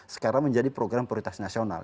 sekarang menjadi program prioritas nasional